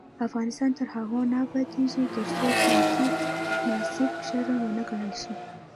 افغانستان تر هغو نه ابادیږي، ترڅو سمتي تعصب شرم ونه ګڼل شي.